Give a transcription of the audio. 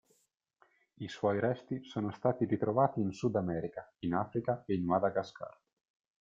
I suoi resti sono stati ritrovati in Sudamerica, in Africa e in Madagascar.